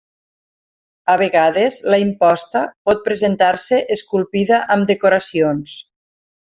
A vegades, la imposta pot presentar-se esculpida amb decoracions.